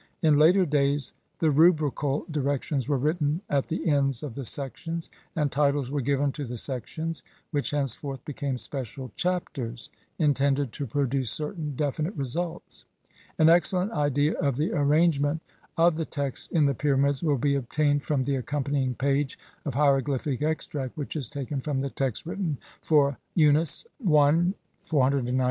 In later days the rubrical directions were written at the ends of the sections, and titles were given to the sections, which henceforth became special Chapters, intended to produce certain definite results. An ex cellent idea of the arrangement of the texts in the pyramids will be obtained from the accompanying page of hieroglyphic extract which is taken from the text written for Unas, 1. 496 ff.